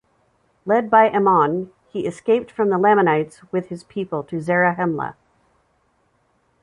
Led by Ammon, he escaped from the Lamanites with his people to Zarahemla.